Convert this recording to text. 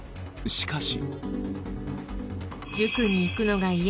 しかし。